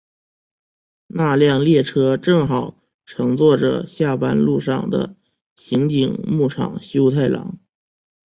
那辆列车正好乘坐着在下班路上的刑警木场修太郎。